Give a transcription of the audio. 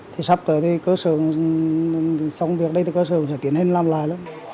thì sắp tới thì cơ sở xong việc ở đây thì cơ sở sẽ tiến hành làm lại